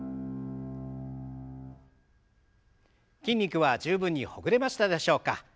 筋肉は十分にほぐれましたでしょうか。